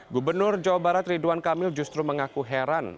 gubernur jawa barat ridwan kamil justru mengaku heran